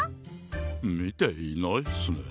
みていないっすね。